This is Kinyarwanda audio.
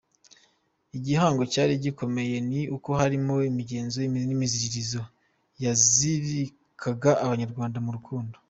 Igihango cyari gikomeye, ni uko harimo imigenzo n’imiziririzo yazirikaga Abanyarwanda mu rukundo.